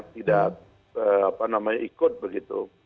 tidak ikut begitu